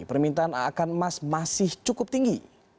permintaan akan emas masih cukup tinggi